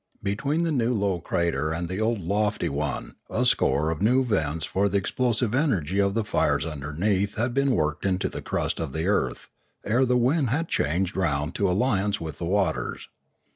Between the new low crater and the old lofty one a score of new vents for the explosive energy of the fires underneath had been worked into the crust of the earth ere the wind had changed round into alliance with the waters.